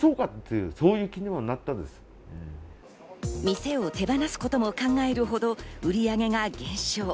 店を手放すことも考えるほど売上が減少。